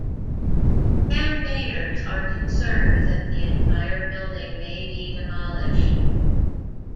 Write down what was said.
Campaigners are concerned that the entire building may be demolished.